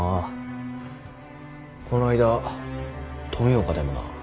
この間富岡でもな。